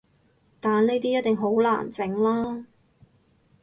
但呢啲一定好難整喇